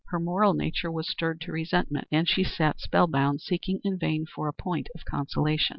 Her moral nature was stirred to resentment, and she sat spell bound, seeking in vain for a point of consolation.